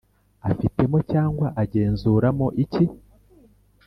afitemo cyangwa agenzuramo iki?